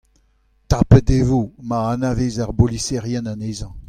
Tapet e vo ma anavez ar boliserien anezhañ.